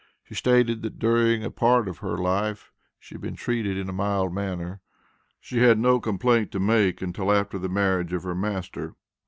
She stated that during a part of her life she had been treated in a "mild manner." She had no complaint to make until after the marriage of her master.